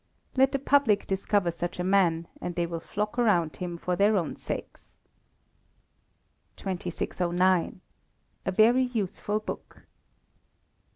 Let the public discover such a man, and they will flock around him for their own sakes. 2609. A Very Useful Book.